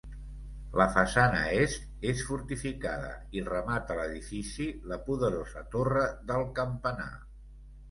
La façana est és fortificada i remata l'edifici la poderosa torre del campanar.